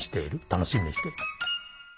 楽しみにしている。